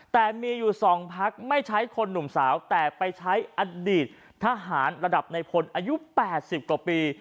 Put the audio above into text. แต่มีอยู่๒พักไม่ใช้คนหนุ่มสาวแต่ไปใช้อดีตทหารระดับในพลอายุ๘๐กว่าปี